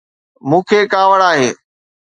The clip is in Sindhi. مون کي ڪاوڙ آهي